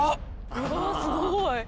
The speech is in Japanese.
うわぁすごい。